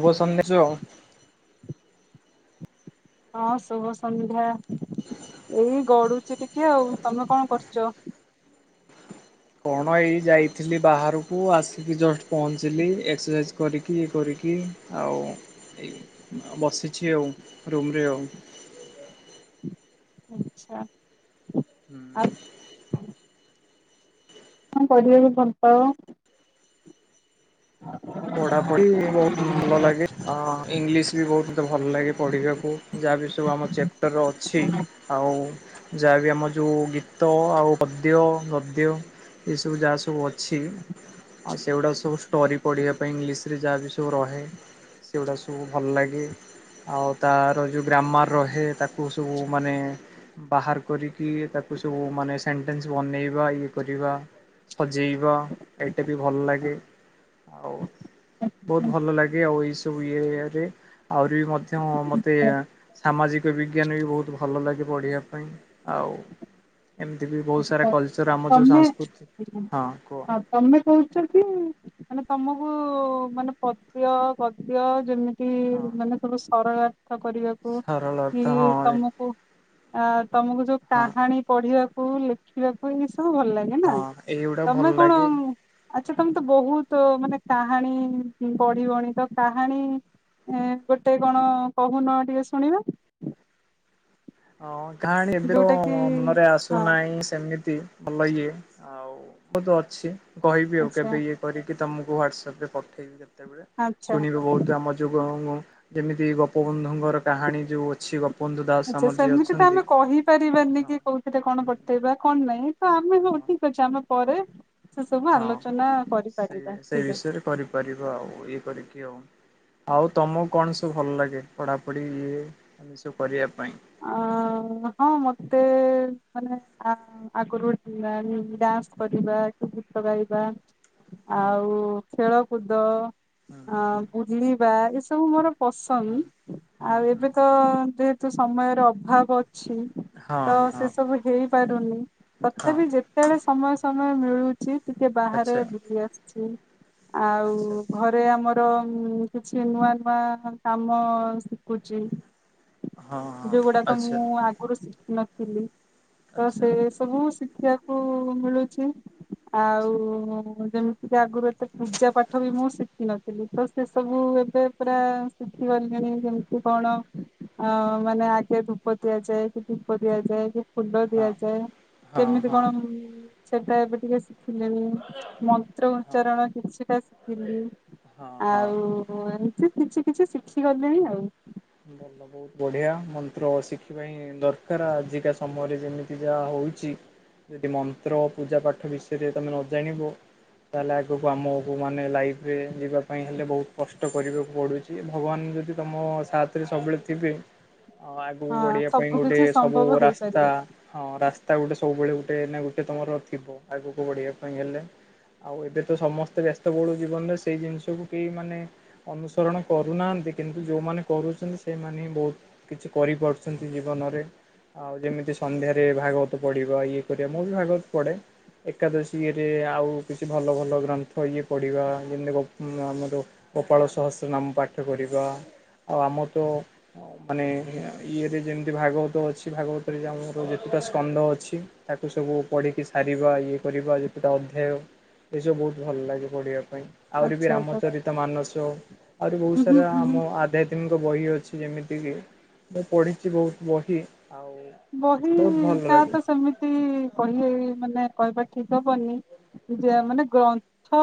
ଶୁବ ସନ୍ଧ୍ୟା ସଉ ହଁ ଶୁଭ ସନ୍ଧ୍ୟା ଏଇ ଗଡୁଚି ଟିକେ। ଆଉ ତମେ କଣ କରୁଚ? କଣ ଏଇ ଯାଇଥିଲି ବାହାରକୁ। ଆସିକି ଜଷ୍ଟ ପହଞ୍ଚିଲି। ଏକ୍ସରସାଇଜ କରିକି ଇଏ କରିକି ଆଉ ଏ ବସିଛି ଆଉ ରୁମ୍ରେ ଆଉ। ଆଚଛା। ହୁଁ। କଣ କରିବାକୁ ଭଲ ପାଅ? ପଢ଼ା ପଢ଼ି ବହୁତ ଭଲ ଲାଗେ। ହଁ ଇଂଲିଶ ବି ବହୁତ ମତେ ଭଲ ଲାଗେ ପଢ଼ିବାକୁ ଯାହାବି ସବୁ ଆମ ଚେପ୍ ଚପ୍ଟର୍ ଅଛି ଆଉ ଯାହାବି ଆମ ଯେଉ ଗୀତ ଆଉ ପଦ୍ୟ ଗଦ୍ୟ ଏ ସବୁ ଯାହା ସବୁ ଅଛି ଆଉ ସେଗୁଡ଼ାକ ସବୁ ଷ୍ଟୋରି ପଢ଼ିବା ପାଇଁ ଇଂଲିଶରେ ଯାହା ବିି ସବୁ ରହେ ସେଗୁଡ଼ା ସବୁ ଭଲ ଲାଗେ। ଆଉ ତାର ଯଉଁ ଗ୍ରାମର୍ ରହେ ତାକୁ ସବୁ ମାନେ ବାହାର କରିକି ତାକୁ ସବୁ ମାନେ ସେଣ୍ଟେନ୍ସ ବନେଇବା ଇଏ କରିବା। ସଜେଇବା ଏଇଟା ବି ଭଲ ଲାଗେ। ଆଉ ବହୁତ ଭଲ ଲାଗେ ଆଉ ଏଇ ସବୁ ଇଏ ରେ ଆହୁରି ବି ମଧ୍ୟ ମତେ ସାମାଜିକ ବିଜ୍ଞାନ ବି ବହୁତ ଭଲ ଲାଗେ ପଢ଼ିବା ପାଇଁ। ଆଉ ଏମିତି ବି ବହୁତ ସାରା କଲଚର୍ ଆମ ଯଉଁ ତମେ ସାସ୍କୃତି ହଁ କୁହ। ହଁ ତମେ କହୁଚ କି ମାନେ ତମକୁ ମାନେ ପଦ୍ୟ ଗଦ୍ୟ ଯେମିତି ତି ହଁ। ମାନେ ସବୁ ସରଳାର୍ଥ କରିବାକୁ ସରଳ କି ଅର୍ଥ ହଁ ତମକୁ ଆ ତମକୁ ଯୋଉ ହଁ କାହାଣୀ ପଢ଼ିବାକୁ ଲେଖ ଖୀ ବାକୁ ଏ ସବୁ ଭଲ ଲାଗେ ନା ହଁ ଏଇଗୁଡା ଭଲ ତମେ କଣ ଲାଗେ। ଆଚ୍ଛା ତମେ ତ ବହୁତ ମାନେ କାହାଣୀ ପଢ଼ିବଣି ତ କାହାଣୀ ଏ ଗୋଟେ କଣ କହୁନ ଟିକେ ଶୁଣିବା। ହଁ କାହାଣୀ ଏବେ ତ ଯୋଉଟା କି ମନରେ ହଁ ଆସୁନାହିଁ ସେମିତି। ଭଲ ଇଏ ଆଉ ବହୁତ ଅଛି କହିବି ଆଉ ଆଚ୍ଛା କେବେ ଇଏ କରିକି ତମକୁ ହ୍ଵାଟସଆପରେ ପଠେଇବି କେତେବେଳେ ଆଚ୍ଛା ଶୁଣିବେ ବହୁତ ତ ଆମ ଯୋଉ ଯେମିତି ଗୋପବନ୍ଧୁଙ୍କର କାହାଣୀ ଯୋଉ ଅଛି ଗୋପବନ୍ଧୁ ଦାସ ଆଚ୍ଛା ଆମର ଯିଏ ସେମିତି ତ ଅଛନ୍ତି। ଆମେ କହିପାରିବାନି ହଁ କି କୋଉଥିରେ କଣ ହୁଁ ବତେଇବା କଣ ନାଇଁ। ହଁ ଆମେ ହଉ ଠିକ୍ ଅଛି ଆମେ ପରେ ସେ ସବୁ ହଁ। ଆଲୋଚନା ସେଇ କରିପାରିବା ସେଇ ଠିକ୍ ଅଛି। ବିଷୟରେ କରିପାରିବା ଆଉ ଇଏ କରିକି ଆଉ। ଆଉ ତମକୁ କଣ ସବୁ ଭଲ ଲାଗେ ପଢ଼ାପଢ଼ି ଇଏ ସବୁ କରିବା ପାଇଁ? [inaudible] ଉଁ ହଁ ମତେ ମାନେ ଆଗରୁ ଆଗରୁ ଡା ଡାନ୍ସ କରିବା କି ଗୀତ ଗାଇବା। ହୁଁ ଆଉ ଖେଳକୁଦ ହୁଁ ଅ ହୁଁ ବୁଲିବା ଏସବୁ ମୋର ହୁଁ ପସନ୍ଦ ହୁଁ ଆଉ ହୁଁ ଏବେ ତ ଯେହେତୁ ସମୟର ଅଭାବ ଅଛି। ହଁ ତ ହଁ ସେ ସବୁ ହେଇପାରୁନି, ହଁ ତଥାପି ଯେତେବେଳେ ସମୟ ସମୟ ମିଳୁ ଛି ଟିକେ ବାହାରେ ଆଚ୍ଛା ବୁଲି ଆସିଛି ଆଉ ଆଚ୍ଛା ଘରେ ରେ ଆମର କିଛି ନୂଆ ନୂଆ କାମ ଶିଖୁଛି। ହଁ ହଁ ଯୋଉ ଗୁଡ଼ାକ ଆଚ୍ଛା ମୁଁ ଆଗରୁ ଶିଖିନଥିଲି। ତ ଆଚ୍ଛା ସେ ସବୁ ଶିଖିବାକୁ ମିଳୁଛି, ଆଉ ଆଚ୍ଛା ଯେମିତି ତ ଆଗରୁ ଏତେ ପୂଜା ପାଠ ବି ମୁଁ ଶିଖିିନଥିଲି ତ ସେ ସବୁ ଏବେ ପୁରା ଶିଖିଗଲିଣି ଯେମିତି କଣ? ଅ ମାନେ ଆଗେ ଧୂପ ଦିଆଯାଏ କି ଦୀପ ଦିଆଯାଏ କି ଫୁଲ ହଁ ଦିଆଯାଏ ହଁ କେମିତି ହଁ କଣ ସେଟା ଏବେ ଟିକେ ଶିଖିଲିଣି, ମନ୍ତ୍ର ହଁ ଉଚ୍ଚାରଣ କିଛିଟା ଶିଖିଲି। ହଁ ହଁ ଆଉ ଏମିତି କିଛି କିଛି ଶିଖିଗଲିଣି ଆଉ। ଭଲ ଲାଗେ। ବଢ଼ିଆ ମନ୍ତ୍ର ଶିଖିବା ହିଁ ଦରକାର ଆଜିକା ସମୟରେ ଯେମିତି ଯାହା ହଉଛି। ଯଦି ମନ୍ତ୍ର ପୂଜା ପାଠ ବିଷୟରେ ତମେ ନ ଜାଣିବ ତାହେଲେ ଆଗକୁ ଆମକୁ ମାନେ ଲାଇଫରେ ଯିବା ପାଇଁ ହେଲେ ବହୁତ କଷ୍ଟ କରିବାକୁ ପଡୁଛି। ଭଗବାନ ଯଦି ତମ ସାଥରେ ସବୁବେଳେ ଥିବେ ଆ ଆଗକୁ ହଁ ବଢ଼ିବା ପାଇଁ ସବୁ ଗୋଟେ କିଛି ସବୁ ସମ୍ଭବ ରାସ୍ତା ହେଇପାରିବ ହଁ ରାସ୍ତା ଗୋଟେ ସବୁବେଳେ ଗୋଟେ ଗୋଟେ ତମର ଥିବ ଆଗକୁ ବଢ଼ିବା ପାଇଁ ହେଲେ। ଆଉ ଏବେ ତ ସମସ୍ତେ ବ୍ୟସ୍ତ ବଳୁ ଜୀବନରେ ସେଇ ଜିନିଷକୁ କେହି ମାନେ ଅନୁସରଣ କରୁନାହାନ୍ତି କିନ୍ତୁ ଯୋଉମାନେ କରୁ ଛନ୍ତି ସେମାନେ ବହୁତ କିଛି କରିପାରୁଛନ୍ତି ଜୀବନରେ। ଆଉ ଯେମିତି ସନ୍ଧ୍ୟାରେ ଭାଗବତ ପଢିବା ଇଏ କରିବା ମୁଁ ବି ଭାଗବତ ପଢେ। ଏକାଦଶୀ ଇରେ ଆଉ କିଛି ଭଲ ଭଲ ଗ୍ରନ୍ଥ ଇଏ ପଢ଼ିବା ଯେମିତିକ ଉ ଆମର ଗୋପାଳ ସହସ୍ର ନାମ ପାଠ କରିବା ଆଉ ଆମର ତ ମାନେ ଇଏରେ ଯେମିତି ଭାଗବତ ଅଛି ଭାଗବତରେ ଆମର ଯେତେଟା ସ୍କନ୍ଦ ଅଛି। ତାକୁ ସବୁ ପଢିକି ସାରିବା ଇଏ କରିବା ଯେତଟା ଅଧ୍ୟାୟ। ଏସବୁ ବହୁତ ଭଲ ଲାଗେ ପଢିବା ପାଇଁ। ଆହୁରି ବି ଆଚ୍ଛା ଆଚ୍ଛା ରାମଚରିତ ମାନସ ଆହୁରି ବହୁତ ଉଁ ହୁଁ ସାରା ହୁଁ ହୁଁ ଆମ ଆଧ୍ୟା ବହି ଅଛି ଯେମିତି କି ମୁଁ ପଢିଛି ବହୁତ ବହି। ଆଉ ବହି ବହୁତ ଭଲ ତା ଲାଗେ ତ ସେମିତି ବହି ହଁ ମାନେ କହିବା ଠିକ ହବନି। ଯେ ହଁ ମାନେ ଗ୍ରନ୍ଥ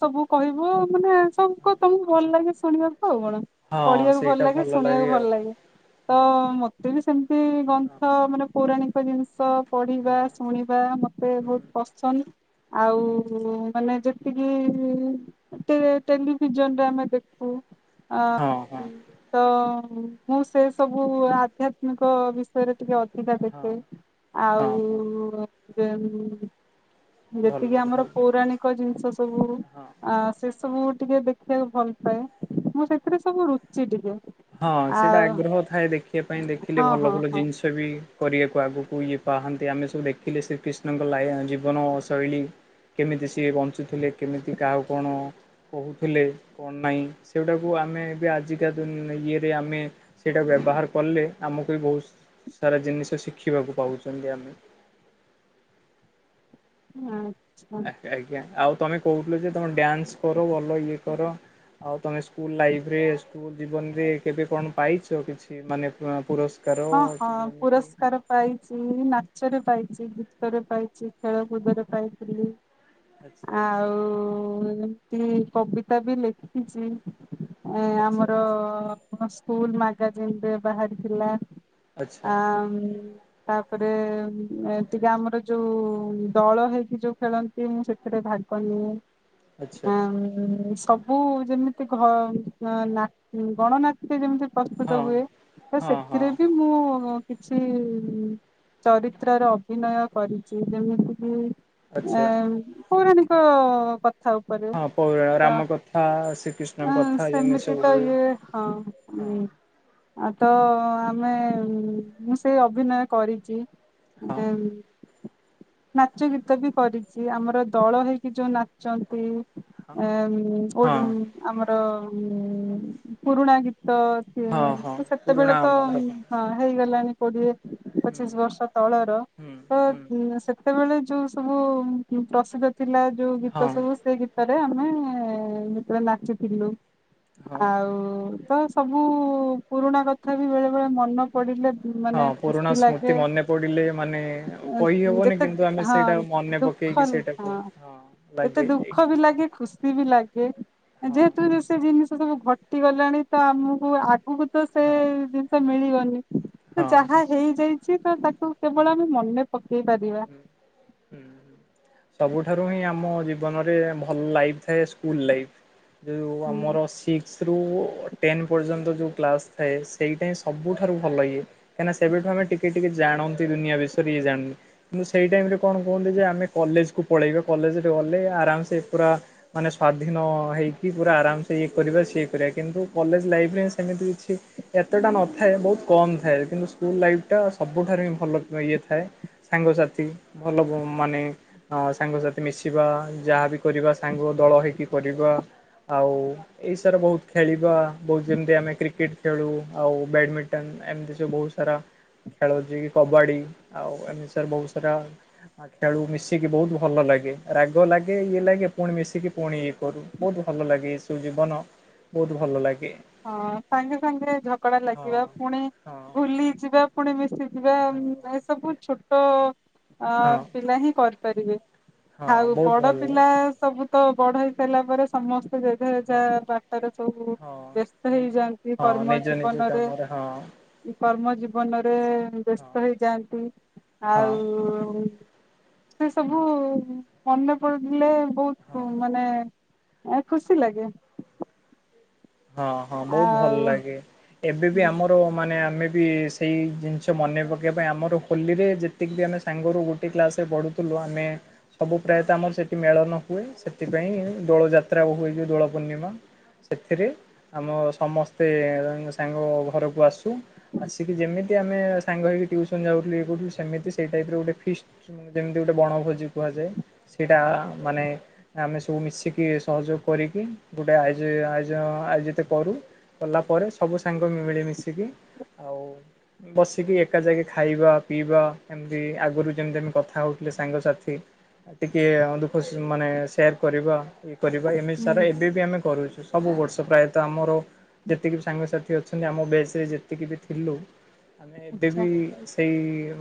ସବୁ କହିବୁ ମାନେ ହଁ ସବୁ ତମକୁ ଭଲ ଲାଗେ ଶୁଣିବାକୁ ଆଉ କଣ ହଁ ପଢିବାକୁ ଭଲ ସେଇଟା ଲାଗେ ଶୁଣିବାକୁ ଆଉ ଭଲ ଲାଗେ। ତ ହଁ ମତେ ବି ସେମିତି ହଁ ଗନ୍ଥ ମାନେ ପୌରାଣିକ ଜିନିଷ ପଢିବା ହଁ ଶୁଣିବା ମତେ ହୁଁ ବହୁତ ପସନ୍ଦ। ହୁଁ ଆଉ ମାନେ ଯେ କି ଟେଲିଭିଜନରେ ଆମେ ଦେଖୁ। ହଁ ଆଉ ହଁ ତ ମୁଁ ସେ ସବୁ ଆଧ୍ୟାତ୍ମିକ ବିଷ ବିଷୟ ରେ ଟିକେ ଅଧିକା ହଁ ଦେଖେ। ହଁ ହଁ ଆଉ ଯେତିକି ଭଲ ଆମର ଭଲ ପୌରାଣିକ ଜିନିଷ ସବୁ ହଁ ଆ ସେ ସବୁ ଟିକେ ଦେଖେ। ଦେଖିଆକୁ ଭଲ ପାଏ ମୁଁ ସେଥିରେ ସବୁ ରୁଚି ଟିକେ। ହଁ ସେଇଟା ଆଉ ଆଗ୍ରହ ଥାଏ ଦେଖିବା ପାଇଁ ଦେଖିଲେ ହଁ ଭଲ ହଁ ଭଲ ହଁ। ଜିନିଷ। ବି କରିବାକୁ ଆଗକୁ ଇଏ ପାହାନ୍ତି ଆମେ ସବୁ ଦେଖିଲେ ଶ୍ରୀକୃଷ୍ଣଙ୍କ ଲାୟ ଜୀବନ ଶୈଳୀ। କେମିତି ସିଏ ବଞ୍ଚୁଥିଲେ କେମିତି କାହାକୁ କଣ? କହୁଥିଲେ କଣ ନାଇ ସେଊଡ଼ାକୁ ଆମେ ଏବେ ଆଜିକା ଦୁନ ଇଏରେ ଆମେ ସେଇଟା ବ୍ୟବହାର କଲେ ଆମକୁ ବି ବହୁ ସୁ ସାରା ଜିନିଷ ଶିଖିବାକୁ ପାଉଛନ୍ତି ଆମେ। ଆ ଚ୍ଛା ଆଜ୍ଞା ଆଜ୍ଞା ଆଉ ତୋମେ କହୁଥୁଲ ଯେ ତୋମେ ଡ୍ୟାନ୍ସ କର ଭଲ ଇଏ କର। ଆଉ ତୋମେ ସ୍କୁଲ୍ ଲାଇଫ୍ ରେ ସ୍କୁଲ୍ ଜୀବନ ରେ କେବେ କଣ ପାଇଛ କିଛି ମାନେ ଅଁ, ପୁରସ୍ ହଁ, ହଁ ପୁରସ୍କାର। ପାଇଛି, ନାଚରେ ପାଇଛି, ଗୀତରେ ପାଇଛି, ଖେଳକୁଦରେ ପାଇଥିଲି। ଆଚ୍ଛା ଆଚ୍ଛା ଆଉ ଏମିତି କବିତା ବି ଲେଖିଛି। ଏ ଆଚ୍ଛା ଆଚ୍ଛା ଆମର ସ୍କୁଲ ମାଗାଜିନ ବାହାରିଥିଲା। ଆଚ୍ଛା ଆମ୍ ତାପରେ ଏତିକି ଆମର ଯୋଉ ଦଳ ହେଇକି ଯୋଉ ଖେଳନ୍ତି। ମୁଁ ସେ ସେଟ ଭାଗନ ଆଚ୍ଛା। ଆ ସବୁ [unintelligible] ମୁଁ ଯେମିତି ଘ, ଅଁ, ନା-ଉଁ, ଗଣନାଟ୍ୟ ଯେମିତି ପ୍ରସ୍ତୁତ ହଁ ହୁଏ। ତ ହଁ ହଁ ସେଥିରେ ବି ମୁଁ କିଛି ଚରିତ୍ରର ଅଭିନୟ କରିଛି, ଯେମିତିକ ଆଚ୍ଛା ଏଁ, ପୌରାଣିକ କଥା କରିବ ହଁ ପୌରାଣ ତ ରାମ କଥା ଆ ଶ୍ରୀକୃଷ୍ଣଙ୍କ କଥା ଏମିତି ସେମିତି ସବୁ ତ ହୁଏ ଇଏ ହଁ ହଁ ହୁଁ ଆ ତ ଆମେ, ମୁଁ ସେଇ ଅଭିନୟ କରିଛି, ହଁ ଦେନ୍ ନାଚ ଗୀତ ବି କରିଛି, ଆମର ଦଳ ହେଇକି ଯୋଉ ନାଚନ୍ତି। ହଁ ହଁ ଆମ୍ ଆମର ପୁରୁଣା ଗୀତ ହୁଁ ହଁ ହଁ ସେ ସେତେବେଳେ ପୁରୁଣା ଆମର ହଁ ହେଇଗଲାଣି କୋଡିଏ ହୁଁ ପଚିଶ ବର୍ଷ ତଳର ହୁଁ ତ ହୁଁ ଉଁ, ସେ ସେତେବେଳେ ଯୋଉ ସବୁ ଉଁ, ଉ, ପ୍ରସିଦ୍ଧ ଥିଲା ଯୋଉ ଗୀତ ହଁ ସବୁ ସେ ଗୀ ତ ରେ ଆମେ ହଁ ଯେତେବେଳେ ନାଚୁ ଥିଲୁ, ହଁ ଆଉ ହଁ ତ ସବୁ ପୁରୁଣା କଥା ବି ବେଳେବେଳେ ମନ ହଁ ପୁରୁଣା ସ୍ମୃତି ମନେ ପଡିଲେ ମାନେ କହି ହେବନି ଯେତେ କିନ୍ତୁ ଆମେ ହଁ ସେଇଟା ମନେ ପକ କେଇକି ସେଇଟାକୁ ହଁ ଏତେ ଲାଗେ ଏଇ ଦୁଃଖ ବି ଲାଗେ ଖୁସି ବି ଲାଗ ଗେ ଏ ହଁ ଯେହେତୁ ଯେ ସେ ଜିନିଷ ସବୁ ଘଟି ଗଲାଣି ତ ଆମକୁ ଆଗକୁ ତ ହଁ। ସେଶଜିନିଷ ମିଳିବନି। ତ ହଁ ଯାହା ହେଇ ଯାଇଛି ତ ତାକୁ ହୁଁ ହୁଁ କେବଳ ଆମେ ମନେ ପକେଇ ପାରିବା। ହୁଁ ହୁଁ, ସବୁଠାରୁ ହିଁ ଆମ ଜୀବନରେ ଭଲ୍ ଲାଇଫ୍ ଥାଏ। ସ ସ୍କୁଲ୍ ଲାଇଫ୍ ଯୋଉ ହୁଁ ଆମର ସିକ୍ ସ୍ରୁ ଟେନ୍ ପର୍ଯ୍ୟନ୍ତ ଯୋଉ କ୍ଲାସ୍ ଥାଏ ସେଇଟା ହିଁ ସବୁଠାରୁ ଭଲ ଇଏ। କାହିଁ କି ନା ସେବେଠୁ ଆମେ ଟିକେ ଟିକେ ଜାଣନ୍ତି ଦୁନିଆ ବିଷୟରେ ଇଏ ଜାଣି। କିନ୍ତୁ ସେଇ ଟାଇମ୍ ରେ କଣ କୁହନ୍ତି ଯେ ଆମେ କଲେଜ୍ କୁ ପଳେଇବା। କଲେଜ୍ ରେ ଗଲେ ଆରାମସେ ପୁରା ମାନେ ସ୍ଵାଧୀନ ହେଇକି ପୁରା ଆରାମସେ ଇଏ କରିବା ସିଏ କରିବା। କିନ୍ତୁ କଲେଜ୍ ଲାଇଫ୍ ରେ ହିଁ ସେମିତି କିଛି ଏତେଟା ନଥାଏ, ବହୁତ କମ୍ ଥାଏ କିନ୍ତୁ ସ୍କୁଲ୍ ଲାଇଫ୍ ଟା ସବୁଠାରୁ ହିଁ ଭଲ ଇଏ ଥାଏ। ସାଙ୍ଗସାଥି ଭଲ ବ-ମାନେ ଅ, ସାଙ୍ଗସାଥି ମିଶିବା, ଯାହାବି କରିବା ସାଙ୍ଗ ଦଳ ହେଇକି କରିବା। ଆଉ ଏଇ ସାରା ବହୁତ ଖେଳିବା, ବହୁତ ଯେମିତି ଆମେ କ୍ରିକେଟ୍ ଖେଳୁ। ଆଉ ବ୍ୟାଡମିଣ୍ଟନ ଏମତି ସବୁ ବହୁତ ସାରା ଖେଳ ଯିଏ କି କବାଡି ଆଉ ଏମତି ସାର ବହୁତ ସାରା ଆ, ଖେଳୁ ମିଶିକି ବହୁତ ଭଲ ଲାଗେ। ରାଗ ଲାଗେ ଇଏ ଲାଗେ ପୁଣି ମିଶିକି ପୁଣି ଇଏ କରୁ। ବହୁତ ଭଲ ଲାଗେ, ଏ ସ ଜୀବନ ବହୁତ ଭଲ ଲାଗେ। ହଁ ସାଙ୍ଗେ ସାଙ୍ଗେ ଝଗଡା ହଁ ଲାଗିବା। ପୁଣି ହଁ ଭୁଲି ଯିବା। ପୁଣି ମିଶି ଯିବା, ହଁ ଉଁ, ଏସବୁ ଛୁଟ ଅ, ହଁ ପିଲା ହିଁ କରିପାରିବେ। ହଁ ଆଉ ବହୁତ ବଡ ଭଲ ଲାଗେ ପିଲା ସବୁ କ- ବଢ ହେଇ ସାରିଲା ପରେ ସମସ୍ତେ ଯେଝା ଯେଝା ହଁ ବାଟରେ ସବୁ ହଁ ବ୍ୟସ୍ତ ହେଇଯାଆନ୍ତି ହଁ କର୍ମ ନିଜ ନିଜ ଜୀବନରେ। କାମରେ ହଁ କର୍ମ ଜୀବନରେ ହଁ ବ୍ୟସ୍ତ ହେଇଯାଆନ୍ତି। ହଁ ଆଉ ସେ ସବୁ ମନେ ପଡିଲେ ବହୁତ ହଁ ମାନେ ଏ ଖୁସି ଲାଗେ। ହଁ, ହଁ ବହୁତ ଭଲ ଆଉ ଲାଗେ। ଏବେ ବି ହୁଁ ଆମ ତ ମାନେ ଆମେ ବି ସେଇ ଜିନିଷ ମନେ ପକେଇବା ପାଇଁ, ଆମର ହୋଲିରେ ଯେତିକି ବି ଆମେ ସାଙ୍ଗରୁ ଗୁଟେ କ୍ଲାସ୍ ରେ ପଢ଼ୁଥିଲୁ ଆମେ। ସବୁ ପ୍ରାୟତ ଆମର ସେଠି ମେଳନ ହୁଏ। ସେଥିପାଇଁ ଦୋଳଯାତ୍ରା ହୁଏ ଯେ ଦୋଳ ପୂର୍ଣ୍ଣିମା। ସେରେ ଆମ ସମସ୍ତେ ସାଙ୍ଗ ଘରକୁ ଆସୁ। ଆସିକି ଯେମିତି ଆମେ ସାଙ୍ଗ ହେଇକି ଟ୍ୟୁସନ ଯାଉୁଥିଲୁ ଇଏ କରଥିଲୁ ସେମିତି ସେଇ ଟାଇପ୍ ର ଗୋଟେ ଫିଷ୍ଟ। ଯେମିତି ଗୋଟେ ବଣଭୋଜି କୁହାଯାଏ। ସେଇଟା ମାନେ ଆମେ ସବୁ ମିଶିକି ସହଯୋଗ କରିକି ଗୋଟେ ଆୟୋଜ ଆଁ। ଆୟୋଜିତ କରୁ କଲା ପରେ ସବୁ ସାଙ୍ଗ ମିଳିମିଶିକି ଆଉ। ବସିକି ଏକା ଯାଇକି ଖାଇବା ପିଇବା ଏମିତି ଆଗରୁ ଯେମିତି ଆମେ କଥା ହେଉଥିଲେ ସାଙ୍ଗସାଥି। ଟିକେ ଦୁଃଖ ମାନେ ସେୟାର କରିବା। କରିବା ଏମିତି ସାରା ହୁଁ ଏବେ ବି ଆମେ କରୁଛୁ ସବୁ ବର୍ଷ ପ୍ରାୟତଃ ଆମର ଯେତିକି ସାଙ୍ଗସାଥି। ଆମ ବେଚ୍ ରେ ଯେତିକି ବି ଥିଲୁ ଆମେ ଏବେ ଆଚ୍ଛା ବି। ସେଇ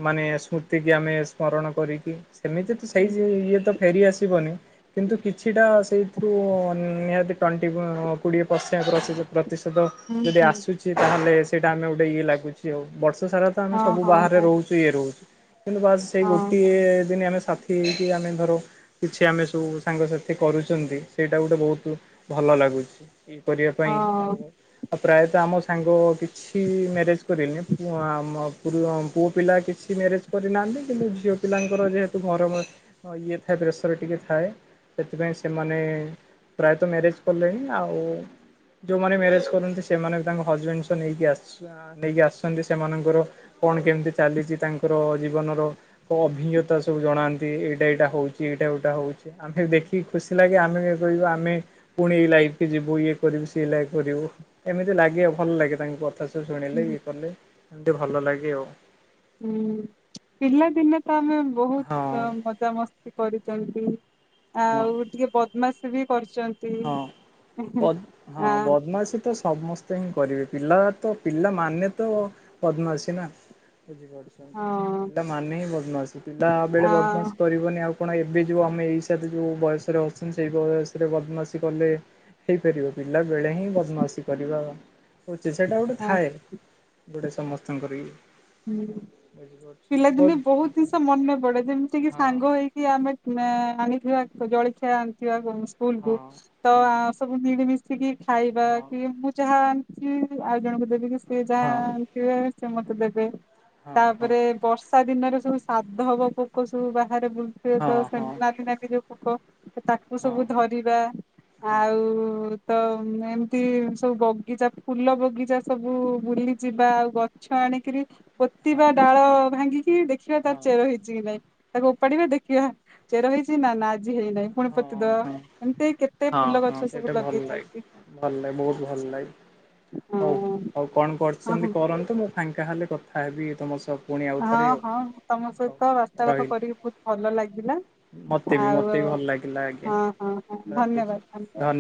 ମାନେ ସ୍ମୃତିକ ଆମେ ସ୍ମରଣ କରିକି ସେମିତି ତ ସେଇ ହୁଁ ଇଏ ତ। ଫେରିଆସିବନି କିନ୍ତୁ କିଛିଟା ସେଇଥିରୁ ନିହାତି ଟଣ୍ଟି। କୋଡିଏ ପରସେ ସେ ଯୋଉ ପ୍ରତିଶତ ହୁଁ ଯଦି ହୁଁ ଆସୁଛି। ତାହଲେ ସେଇଟା ଆମେ ଗୋଟେ ଇଏ ଲାଗୁଛି ଆଉ ବର୍ଷ ସାରା ତ ଆମେ ହଁ ସବୁ ହଁ ବାହାରେ ହଁ ରହୁଛୁ। ଇଏ ରହୁଛି କିନ୍ତୁ ବାସ୍ ସେଇ ହଁ ଗୋଟିଏ ଦିନ ଆମେ ସାଥି। କି ଆମେ ଧର କିଛି ଆମେ ସବୁ ସାଙ୍ଗସାଥି କରୁଛନ୍ତି ସେଇଟା ଗୋଟେ ବହୁତ। ଭଲ ଲାଗୁଛି ଇଏ କରିବା ପାଇଁ ଆଉ ହଁ ଆଉ ପ୍ରାୟତଃ ଆମ ସାଙ୍ଗ କିଛି। କିଛି ମ୍ୟାରେଜ କରିନି ପ ଆମ ପୁଅ ପିଲା କିଛି ମ୍ୟାରେଜ କରିନାହାନ୍ତି କିନ୍ତୁ ଝିଅ। ପିଲାଙ୍କର ଯେହେତୁ ଘର ଇଏ ଥାଏ ପ୍ରେସର ଟିକେ ଥାଏ ସେଥିପାଇଁ ସେମାନେ। ପ୍ରାୟତଃ ମ୍ୟାରେଜ କଲେଣି ଆଉ। ଯୋଉମାନେ ମ୍ୟାରେଜ କରନ୍ତି ସେମାନେ ବି ତାଙ୍କ ହଜବେଣ୍ଡ ସହ ନେଇକି ଆସିଛ। ନେଇକି ଆସୁଛନ୍ତି ସେମାନଙ୍କର କଣ କେମିତି ଚାଲିଛି ତାଙ୍କର ଜୀବନର। ଅଭିଜ୍ଞତା ସବୁ ଜଣାନ୍ତି ଏଇଟା ଏଇଟା ହଉଛି ଏଇଟା ଏଇଟା ହଉଛି। ଆମେ ଦେଖିକି ଖୁସି ଲାଗେ ଆମେ ଏ କହିବୁ ଆମେ। ପୁଣି ଏଇ ଲାଇଫକୁ ଯିବୁ ଇଏ କରିବୁ ସିଏ ଲାଇଫ କରିବୁ ଏମିତି ଲାଗେ ଭଲ ଲାଗେ ତାଙ୍କୁ। କଥା ସବୁ ଶୁଣିଲେ ହୁଁ ଇଏ କଲେ ଏମିତି ଭଲ ଲାଗେ ଆଉ। ହୁଁ ପିଲାଦିନେ ତ ଆମେ ହଁ ବହୁତ ମଜାମସ୍ତି କରିଛନ୍ତି। ହଁ ଆଉ ଟିକେ ବଦମାସ୍ ବି କରିଛନ୍ତି। ହଁ ବ ହଁ ଆ ବଦମାସି‌। ତ ସମସ୍ତେ ହିଁ କରିବେ ପିଲା ତ ପିଲା ମାନେ ତ ବଦମାସି ନା। ବୁଝିପାରୁଛନ୍ତି ହଁ ପିଲାମାନେ ହିଁ ବଦମାସୀ ପିଲା ବେଳେ ଆ ବଦମାସ କରିବେନି। ଆଉ କଣ ଏବେ ଯୋଉ ଆମେ ଏଇସ ଯୋଉ ବୟସରେ ଅଛନ୍ତି ସେଇ ବୟସରେ ବଦମାସି। କଲେ ହେଇପାରିବ ପିଲା ବେଳେ ହିଁ ବଦମାସୀ କରିବା। ହଉଛି ସେଇଟା ଗୋଟେ ହଁ ଥାଏ ଗୋଟେ ସମସ୍ତଙ୍କର ଇଏ। ହୁଁ। ବୁଝିପାରୁ। ପିଲାଦିନେ ବହୁତ ଜିନିଷ ମନେ ପଡେ ଯେମିତିକି ହଁ ସାଙ୍ଗ ହେଇକି। ଆମେ ଆଣିଥିବା ଜଳଖିଆ ଆଣିଥିବା ସ୍କୁଲ ହଁ କୁ ତ। ହଁ ସବୁ ମିଳିମିଶିକି ଖାଇବା ହଁ କି ମୁଁ ଯାହା ଆଣିଥିବି ଆଉ ଜଣଙ୍କୁ ଦେବି କିି ସେ ଯାହା ହଁ ଆଣି। ଥିବେ ସେ ମତେ ଦେବେ। ହଁ। ଏ ବର୍ଷା ଦିନରେ ସବୁ ସାଧବ ପୋକ ସବୁ ବାହାରେ ବୁଲୁଥିବେ ତ ହଁ ସେମାନେ ଯୋଉ। ପୋକ ତାକୁ ହଁ ସବୁ ଧରିବା ହଁ ଆଉ। ତ ଏମିତି ସବୁ ବଗିଚା ଫୁଲ ବଗିଚା ସବୁ ବୁଲିଯିବା ଆଉ ଗଛ ଆଣିକରି। ପୋତି ବା ହଁ ଡାଳ ଭାଙ୍ଗିକି ଦେଖିବା ହଁ ତାର ଚେର ହେଇଛି କି ନାଇଁ। ତାକୁ ଉପାଡିବା ଦେଖିବା ଚେର ହେଇଛି ନା ନା ଆଜି ହେଇନାହିଁ। ପୁଣି ହଁ ପୋତି ଦବା ହଁ ଏମିତି କେତେ ହଁ ଫୁଲ ହଁ ଗଛ ସେଇଟା ସବୁ ଭଲ ଲାଗେ ଲଗେଇଛନ୍ତି। ଭଲ ଲାଗେ ବହୁତ ଭଲ ଲାଗେ ହଁ ହଉ ହଉ କଣ ହଁ କରୁଛନ୍ତି କରନ୍ତୁ ମୁଁ। ଫାଙ୍କା ହେଲେ କଥା ହେବି ତମ ସହ‌। ହଁ ହଁ ତମ ସହିତ ବାର୍ତ୍ତାଳାପ ରହିଲି କରିକି ବହୁତ ଭଲ ଲାଗିଲା। ମତେ ବି ଆଉ ମତେ ବି ଭଲ ଲାଗିଲା ଆଜ୍ଞା ହଁ ହଁ ହଁ ରଖୁଛି ଧନ୍ୟବାଦ ଧନ୍ୟବାଦ।